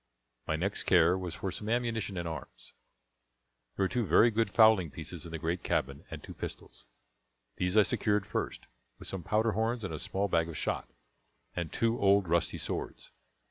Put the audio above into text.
My next care was for some ammunition and arms. There were two very good fowling pieces in the great cabin, and two pistols. These I secured first, with some powder horns and a small bag of shot, and two old rusty swords.